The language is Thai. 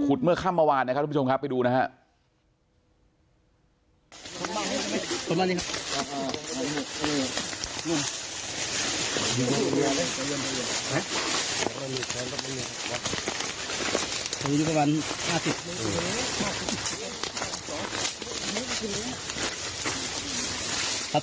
เมื่อค่ำเมื่อวานนะครับทุกผู้ชมครับไปดูนะฮะ